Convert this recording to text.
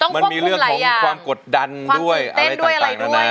มันมีเรื่องของความกดดันด้วยอะไรต่างนานา